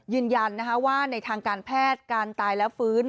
ยืนยันว่าในทางการแพทย์การตายและฟื้น